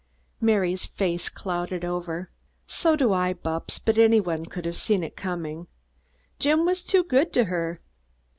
Mary's face clouded over. "So do I, Bupps, but any one could have seen it coming. Jim was too good to her.